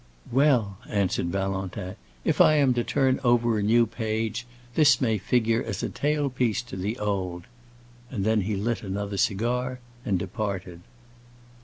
"Well," answered Valentin, "if I am to turn over a new page, this may figure as a tail piece to the old." And then he lit another cigar and departed.